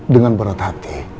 dengan berat hati